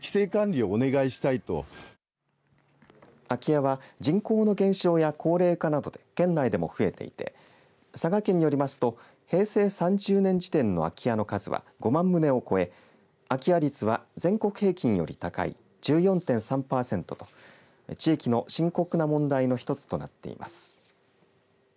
空き家は人口の減少や高齢化などで県内でも増えていて佐賀県によりますと平成３０年時点の空き家の数は５万棟を超え空き家率は全国平均より高い１４．３パーセントと地域の深刻な問題の一つとなっています。